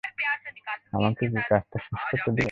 আমাকে কী কাজটা শেষ করতে দিবেন।